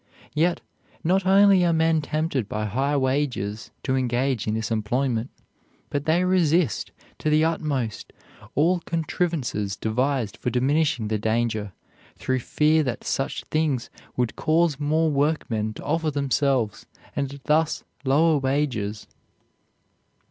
Yet not only are men tempted by high wages to engage in this employment, but they resist to the utmost all contrivances devised for diminishing the danger, through fear that such things would cause more workmen to offer themselves and thus lower wages.